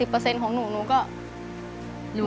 ๘๐เปอร์เซ็นต์ของหนู